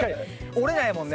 折れないもんね。